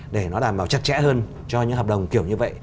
để nó làm vào chặt chẽ hơn cho những hợp đồng kiểu như vậy